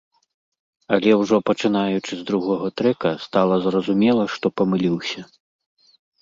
Але ўжо пачынаючы з другога трэка, стала зразумела, што памыліўся.